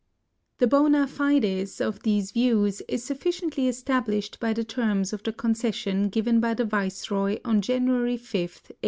The bona fides of these views is sufficiently PREFACE. Vll estabHshed by the terms of the concession given by the Viceroy on January 5, 1856.